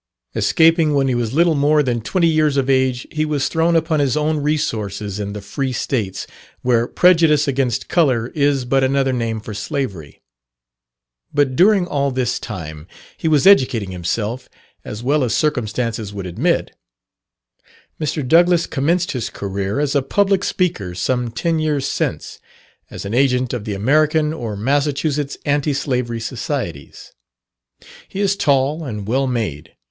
Escaping when he was little more than twenty years of age, he was thrown upon his own resources in the free states, where prejudice against colour is but another name for slavery. But during all this time he was educating himself as well as circumstances would admit. Mr. Douglass commenced his career as a public speaker some ten years since, as an agent of the American or Massachusetts Anti Slavery Societies. He is tall and well made.